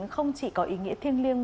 không chỉ có ý nghĩa thiêng liêng